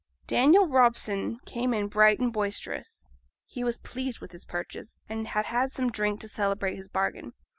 Daniel Robson came in bright and boisterous. He was pleased with his purchase, and had had some drink to celebrate his bargain.